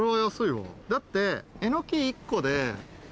だって。